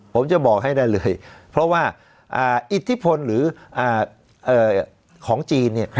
ผมจะบอกให้ได้เลยเพราะว่าอิทธิพลหรือของจีน